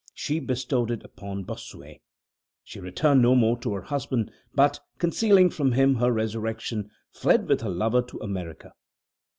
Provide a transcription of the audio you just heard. She bestowed it upon Bossuet. She returned no more to her husband, but, concealing from him her resurrection, fled with her lover to America.